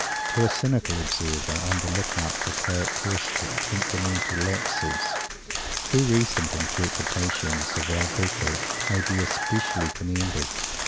To a cynical observer, on the lookout for characteristic temperamental lapses, two recent interpretations of El Greco may be especially commended.